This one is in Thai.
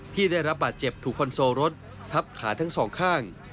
ที่ได้รับบาดเจ็บถูกคอนโซลรถทับขาทั้งสองข้าง